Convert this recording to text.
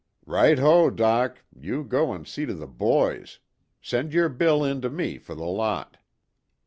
"Right ho, Doc, you go and see to the boys. Send your bill in to me for the lot."